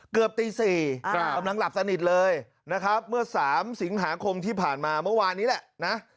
เกือบตี๔กำลังหลับสนิทเลยนะครับเมื่อ๓สิงหาคมที่ผ่านมาเมื่อวานนี้แหละนะ